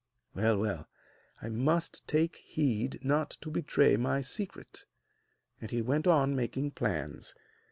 Well, well, I must take heed not to betray my secret.' And he went on making plans.